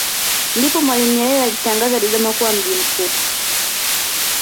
Ndipo Mwalimu Nyerere aliitangaza Dodoma kuwa mji mkuu